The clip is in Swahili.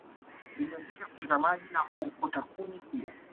Vilevile kuchota maji na kuokota kuni pia